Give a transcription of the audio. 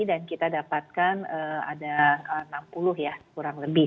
dan kita dapatkan ada enam puluh ya kurang lebih